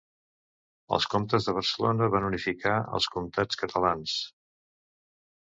Els comtes de Barcelona van unificar els comtats catalans.